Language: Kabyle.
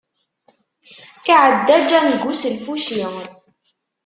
Iεedda Django s lfuci.